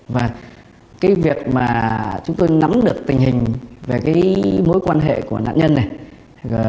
và cái việc mà chúng tôi nắm được tình hình về cái mối quan hệ của nạn nhân này